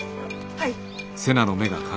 はい。